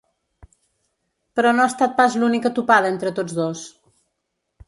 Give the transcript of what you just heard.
Però no ha estat pas l’única topada entre tots dos.